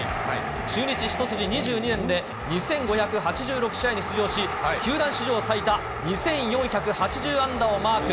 中日一筋２２年で、２５８６試合に出場し、球団史上最多２４８０安打をマーク。